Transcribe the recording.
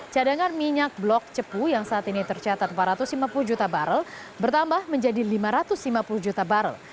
cadangan minyak blok cepu yang saat ini tercatat empat ratus lima puluh juta barrel bertambah menjadi lima ratus lima puluh juta barrel